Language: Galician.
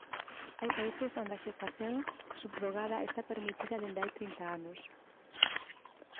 Hai países onde a xestación subrogada está permitida dende hai trinta anos.